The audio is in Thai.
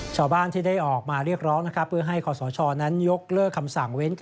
ชาวบ้านที่ได้ออกมาเรียกร้องนะครับเพื่อให้คอสชนั้นยกเลิกคำสั่งเว้น